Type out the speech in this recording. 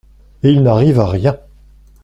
Et il n'arrive à rien.